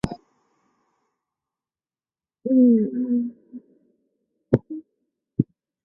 东仪天主教会法典联合制定适用于东方礼仪的教会法的法典之名称。